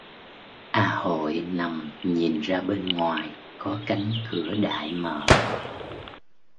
A hội nằm nhìn ra bên ngoài có cánh cửa đại mở